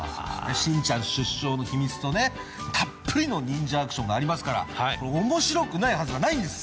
しんちゃん出生の秘密とねたっぷりの忍者アクションがありますから面白くないはずがないんです。